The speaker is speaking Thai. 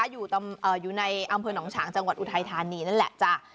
อยู่ในอำเภอหนองฉางจังหวัดอุทัยธานีนั่นแหละจ้ะ